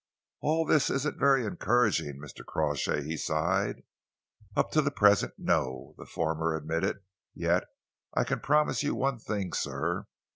"All this isn't very encouraging, Mr. Crawshay," he sighed. "Up to the present no," the former admitted. "Yet I can promise you one thing, sir.